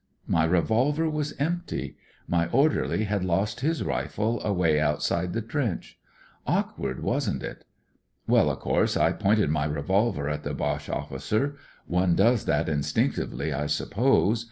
My revolver was empty. My orderly had lost nis rifle away outside the trench. Awk ward, wasn't it ?" Well, of course, I pointed my revolver at th^ Boche officer. One does that in stinctively, I suppose.